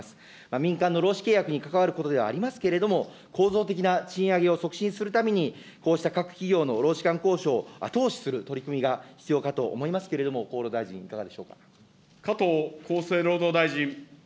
民間の労使契約に関わることではありますけれども、構造的な賃上げを促進するために、こうした各企業の労使間交渉を後押しする取り組みが必要かと思いますけれども、厚労大臣、いかがでしょうか。